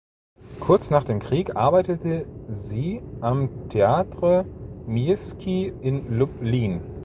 Kurz nach dem Krieg arbeitete sie am Teatr Miejski in Lublin.